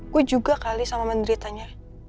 gue juga kali sama menderitanya